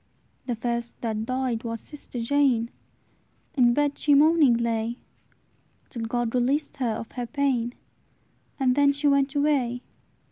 "The first that died was sister Jane; In bed she moaning lay, Till God released her of her pain; And then she went away.